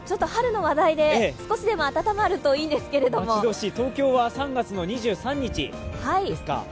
春の話題で少しでも温まるといいんですけども東京は３月２３日ですか。